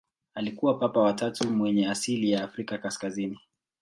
Alikuwa Papa wa tatu mwenye asili ya Afrika kaskazini.